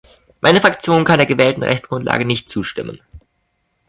Meine Fraktion kann der gewählten Rechtsgrundlage nicht zustimmen.